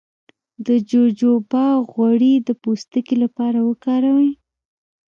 د جوجوبا غوړي د پوستکي لپاره وکاروئ